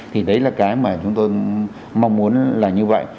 thì đấy là cái mà chúng tôi mong muốn là như vậy